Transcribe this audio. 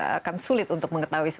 akan sulit untuk mengetahui